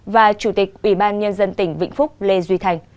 và chủ tịch ủy ban nhân dân tỉnh vĩnh phúc lê duy thành